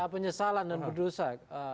penyesalan dan berdosa